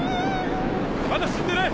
まだ死んでない！